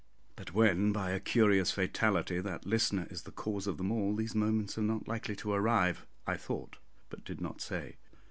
"But when, by a curious fatality, that listener is the cause of them all, these moments are not likely to arrive," I thought, but did not say.